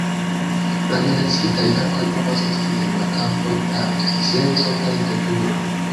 La menciitaj verkoj povas esti el la kampoj de arto, scienco kaj tekniko.